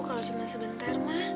kalau cuma sebentar mah